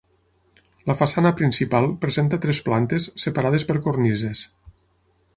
La façana principal presenta tres plantes separades per cornises.